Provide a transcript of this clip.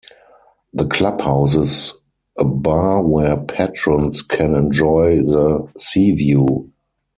The club houses a bar where patrons can enjoy the seaview.